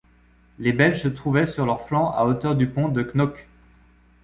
Les Belges se trouvaient sur leur flanc à hauteur du pont de Knokke.